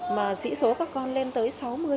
mà sĩ số các con lên tới sáu mươi